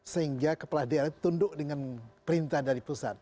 sehingga kepala daerah itu tunduk dengan perintah dari pusat